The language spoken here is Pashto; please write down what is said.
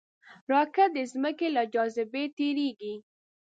راکټ د ځمکې له جاذبې تېریږي